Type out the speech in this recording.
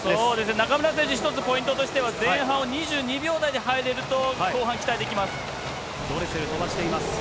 中村選手、１つポイントとしては、前半を２２秒台で入れると、後半期待できます。